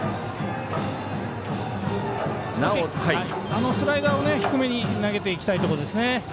あのスライダーを低めに投げていきたいところですね。